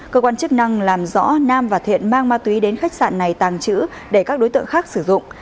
cơ quan chức năng làm rõ nam và thiện mang ma túy đến khách sạn này tàng trữ để các đối tượng khác sử dụng